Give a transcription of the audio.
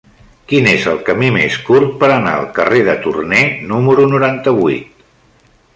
Quin és el camí més curt per anar al carrer de Torné número noranta-vuit?